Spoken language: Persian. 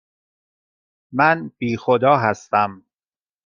من بی خدا هستم.